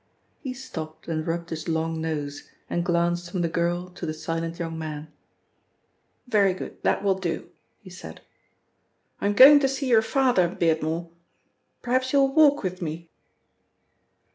He stopped and rubbed his long nose and glanced from the girl to the silent young man. "Very good; that will do," he said. "I am going to see your father, Beardmore. Perhaps you will walk with me?"